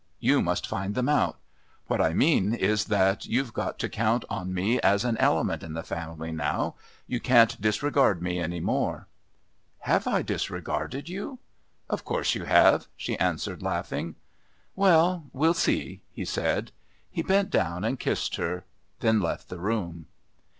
You must find them out. What I mean is that you've got to count on me as an element in the family now. You can't disregard me any more." "Have I disregarded you?" "Of course you have," she answered, laughing. "Well, we'll see," he said. He bent down and kissed her, then left the room.